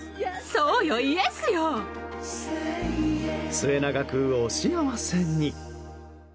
末永くお幸せに。